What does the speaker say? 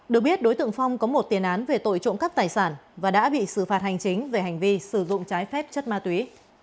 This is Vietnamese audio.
được biết đối tượng phong có một tiền án về tội trộm cắp tài sản và đã bị xử phạt hành chính về hành vi sử dụng trái phép chất ma túy